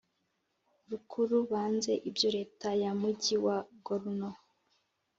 Rukuru banze ibyo leta ya mugi wa Gorno